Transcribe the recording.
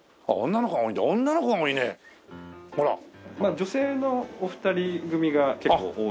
女性のお二人組が結構多くて。